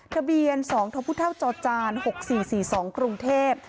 ทะเบียน๒ทพจจ๖๔๔๒กรุงเทพฯ